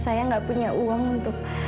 saya nggak punya uang untuk